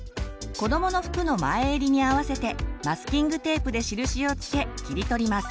こどもの服の前襟に合わせてマスキングテープで印を付け切り取ります。